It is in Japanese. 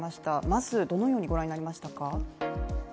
まずどのようにご覧になりましたか。